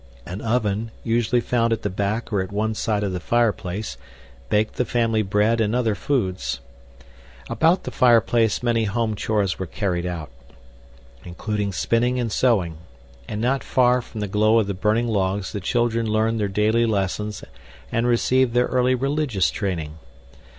An oven, usually found at the back or at one side of the fireplace, baked the family bread and other foods. About the fireplace, many home chores were carried out, including spinning and sewing; and not far from the glow of the burning logs the children learned their daily lessons and received their early religious training.